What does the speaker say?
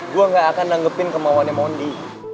gua ga akan nanggepin kemauannya mondi